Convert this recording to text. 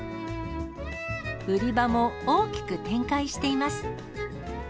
売り場も大きく展開しています。